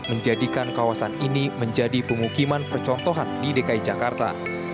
menjadikan kawasan ini menjadi pemukiman percontohan di dki jakarta